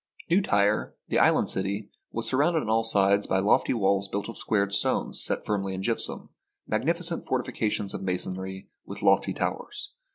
New Tyre, the island city, was surrounded on all sides by lofty walls built of squared stones set firmly in gypsum, magnificent fortifications of masonry with lofty towers.